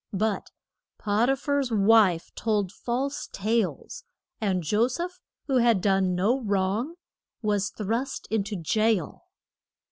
But Pot i phar's wife told false tales, and Jo seph, who had done no wrong, was thrust in to jail.